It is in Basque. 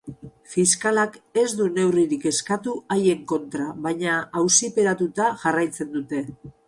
Fiskalak ez du neurririk eskatu haien kontra, baina auziperatuta jarraitzen dute.